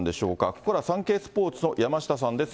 ここからはサンケイスポーツの山下さんです。